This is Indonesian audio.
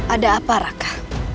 ada apa raka